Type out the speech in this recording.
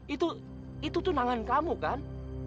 itu tuh nangan kamu kan